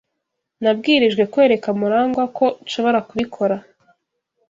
Nabwirijwe kwereka Murangwa ko nshobora kubikora.